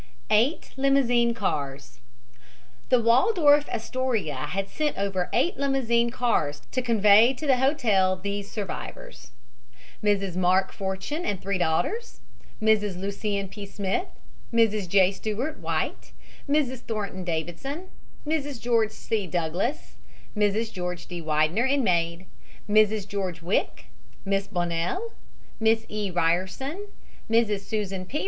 EIGHT LIMOUSINE CARS The Waldorf Astoria had sent over eight limousine car to convey to the hotel these survivors: Mrs. Mark Fortune and three daughters, Mrs. Lucien P. Smith, Mrs. J. Stewart White, Mrs. Thornton Davidson, Mrs. George C. Douglass, Mrs. George D. Widener and maid, Mrs. George Wick, Miss Bonnell, Miss E. Ryerson, Mrs. Susan P.